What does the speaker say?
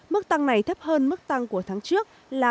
mức tăng này thấp hơn mức tăng của tháng trước là